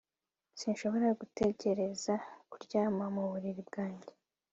Sinshobora gutegereza kuryama mu buriri bwanjye